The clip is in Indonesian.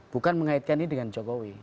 bukan mengaitkan ini dengan jokowi